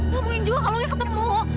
ngomongin juga kalungnya ketemu